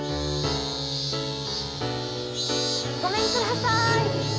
ごめんくださーい